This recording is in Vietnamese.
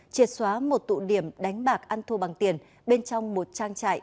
triệt xóa một tụ điểm đánh bạc ăn thua bằng tiền bên trong một trang trại